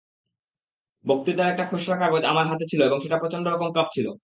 বক্তৃতার একটা খসড়া কাগজ আমার হাতে ছিল এবং সেটা প্রচণ্ড রকম কাঁপছিল।